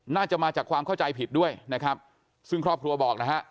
น่าจะมาจากความเข้าใจผิดด้วยนะครับซึ่งครอบครัวบอกนะฮะ